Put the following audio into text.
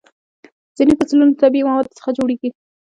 ځینې پنسلونه د طبیعي موادو څخه جوړېږي.